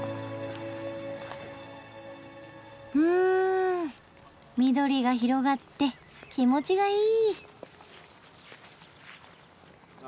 うん緑が広がって気持ちがいい。